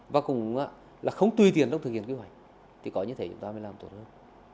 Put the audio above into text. và cũng là không tùy tiền trong thực hiện kế hoạch thì có như thế chúng ta mới làm tốt hơn